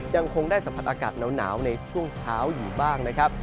ยังคงได้สัมผัสอากาศหนาวในช่วงเช้าอยู่บ้างนะครับ